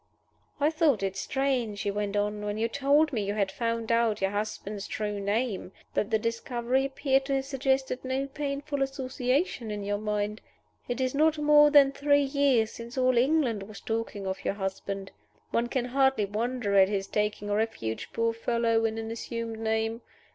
"I thought it strange," he went on, "when you told me you had found out your husband's true name, that the discovery appeared to have suggested no painful association to your mind. It is not more than three years since all England was talking of your husband. One can hardly wonder at his taking refuge, poor fellow, in an assumed name.